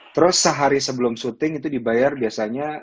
terus sehari sebelum syuting itu dibayar biasanya